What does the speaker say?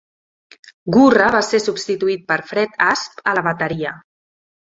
Gurra va ser substituït per Fred Asp a la bateria.